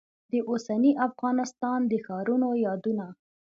د اوسني افغانستان د ښارونو یادونه.